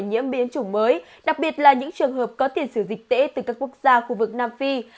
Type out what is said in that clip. nhiễm biến chủng mới đặc biệt là những trường hợp có tiền sử dịch tễ từ các quốc gia khu vực nam phi